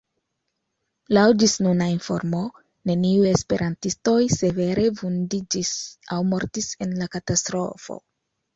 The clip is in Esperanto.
Laŭ ĝisnuna informo, neniuj esperantistoj severe vundiĝis aŭ mortis en la katastrofo.